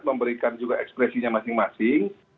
memberikan juga ekspresinya masing masing